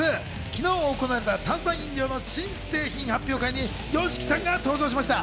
昨日行われた炭酸飲料の新製品発表会にＹＯＳＨＩＫＩさんが登場しました。